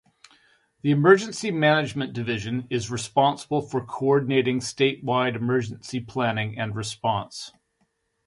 The Emergency Management Division is responsible for coordinating statewide emergency planning and response.